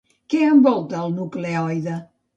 Què envolta el nucleoide?